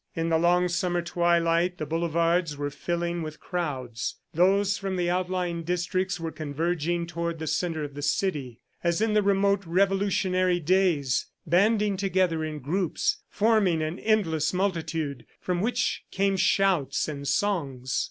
In the long summer twilight, the boulevards were filling with crowds. Those from the outlying districts were converging toward the centre of the city, as in the remote revolutionary days, banding together in groups, forming an endless multitude from which came shouts and songs.